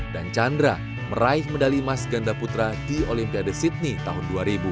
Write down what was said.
dan chandra meraih medali emas ganda putra di olimpiade sydney tahun dua ribu